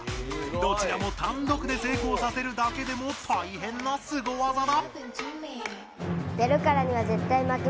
どちらも単独で成功させるだけでも大変なスゴ技だ！